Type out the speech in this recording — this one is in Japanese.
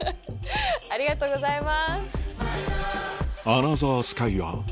ありがとうございます。